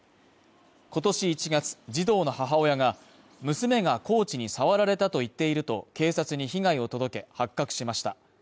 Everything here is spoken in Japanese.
今年１月児童の母親が娘がコーチに触られたと言っていると警察に被害を届け、発覚しました。